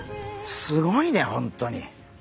すごいね本当に。